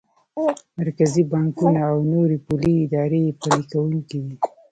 مرکزي بانکونه او نورې پولي ادارې یې پلي کوونکی دي.